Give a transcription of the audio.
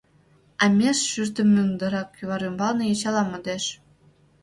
А меж шӱртӧ мундыра кӱвар ӱмбалне йочала модеш.